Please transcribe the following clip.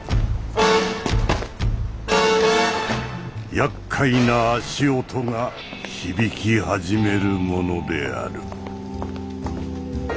やっかいな足音が響き始めるものである。